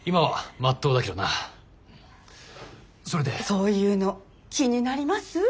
そういうの気になります？